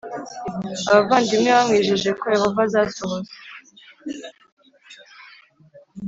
Abavandimwe bamwijeje ko Yehova azasohoza